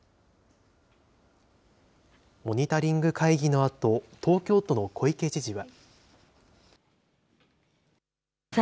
モニタリング会議のあと、東京都の小池知事は。